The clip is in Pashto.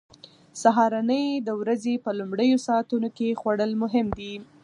سهارنۍ د ورځې په لومړیو ساعتونو کې خوړل مهم دي.